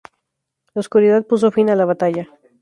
La oscuridad puso fin a la batalla.